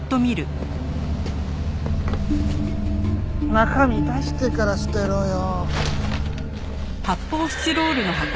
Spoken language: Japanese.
中身出してから捨てろよ。